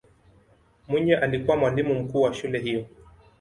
mwinyi alikuwa mwalimu mkuu wa shule hiyo